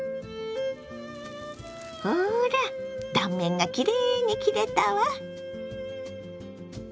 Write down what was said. ほら断面がきれいに切れたわ！